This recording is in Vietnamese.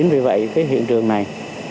vì vậy cái hiện trường này